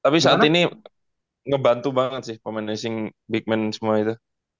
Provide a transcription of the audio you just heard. tapi saat ini ngebantu banget sih communasing big man semua itu